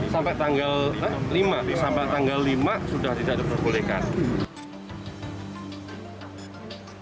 sampai tanggal lima sampai tanggal lima sudah tidak diperbolehkan